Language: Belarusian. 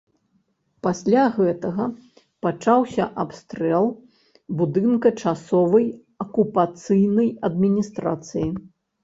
Пасля гэтага, пачаўся абстрэл будынка часовай акупацыйнай адміністрацыі.